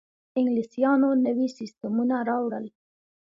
انګلیسانو نوي سیستمونه راوړل.